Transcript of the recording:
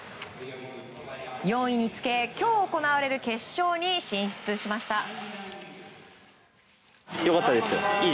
４位につけ、今日行われる決勝に進出しました。